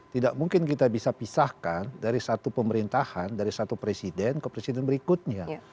tidak mungkin kita bisa pisahkan dari satu pemerintahan dari satu presiden ke presiden berikutnya